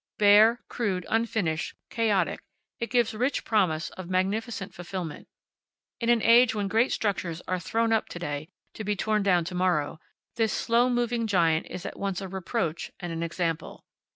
Bare, crude, unfinished, chaotic, it gives rich promise of magnificent fulfillment. In an age when great structures are thrown up to day, to be torn down to morrow, this slow moving giant is at once a reproach and an example.